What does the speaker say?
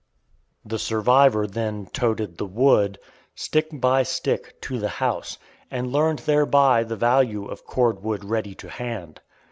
The survivor then "toted" the wood, stick by stick, to the house, and learned thereby the value of cord wood ready to hand.